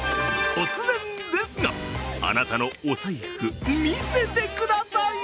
突然ですが、あなたのお財布、見せてください。